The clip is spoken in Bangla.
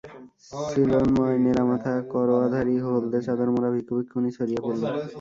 সিলোনময় নেড়া মাথা, করোয়াধারী, হলদে চাদর মোড়া ভিক্ষু-ভিক্ষুণী ছড়িয়ে পড়ল।